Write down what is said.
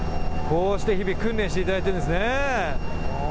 こうして日々訓練していただいているんですね。